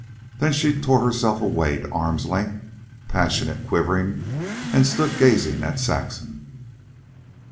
Then she tore herself away to arm's length, passionate, quivering, and stood gazing at Saxon.